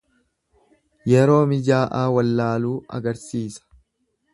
Yeroo mijaa'aa wallaaluu agarsiisa.